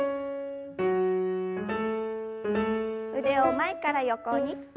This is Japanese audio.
腕を前から横に。